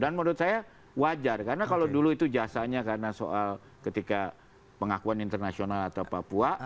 dan menurut saya wajar karena kalau dulu itu jasanya karena soal ketika pengakuan internasional atau papua